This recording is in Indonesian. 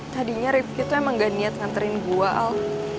tadinya rifki tuh emang gak niat nganterin gua al